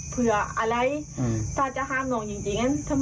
เผื่ออะไรถ้าจะห้ามลงจริง